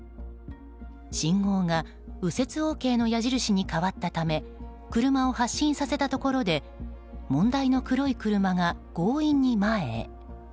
信号が右折ＯＫの矢印に変わったため車を発進させたところで問題の黒い車が強引に前へ。